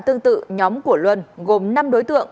tương tự nhóm của luân gồm năm đối tượng